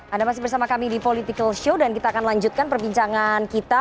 anda masih bersama kami di political show dan kita akan lanjutkan perbincangan kita